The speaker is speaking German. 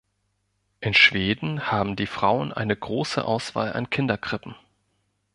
In Schweden haben die Frauen eine große Auswahl an Kinderkrippen.